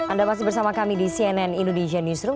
anda masih bersama kami di cnn indonesia newsroom